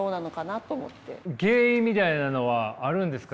原因みたいなのはあるんですか？